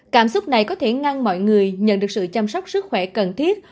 cảm xúc này có thể ngăn mọi người nhận được sự chăm sóc sức khỏe cần thiết